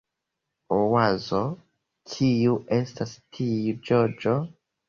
Oazo: "Kiu estas tiu ĝoĝo?"